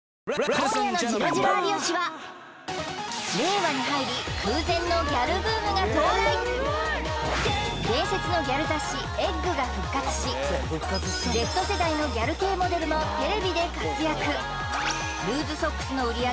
今夜の「ジロジロ有吉」は伝説のギャル雑誌「ｅｇｇ」が復活しＺ世代のギャル系モデルもテレビで活躍